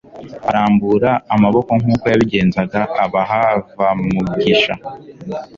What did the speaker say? Arambura amaboko nk'uko yabigenzaga, abaha vmugisha;